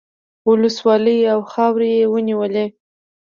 ولسوالۍ او خاورې یې ونیولې.